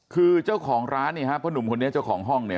คือเจ้าของร้านเนี่ยฮะเพราะหนุ่มคนนี้เจ้าของห้องเนี่ย